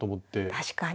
確かに。